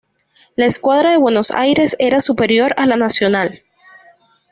La escuadra de Buenos Aires era superior a la nacional.